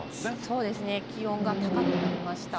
そうですね、気温が高くなりました。